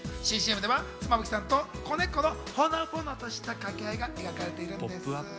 妻夫木さんと子猫のほのぼのとした掛け合いが描かれています。